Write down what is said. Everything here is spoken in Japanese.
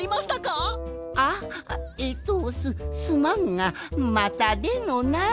あえっとすすまんがまたでのな。